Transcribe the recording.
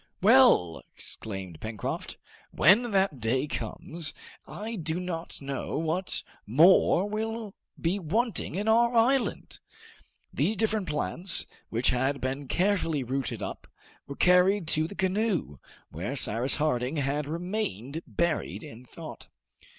"Well!" exclaimed Pencroft, "when that day comes, I do not know what more will be wanting in our island!" These different plants, which had been carefully rooted up, were carried to the canoe, where Cyrus Harding had remained buried in thought.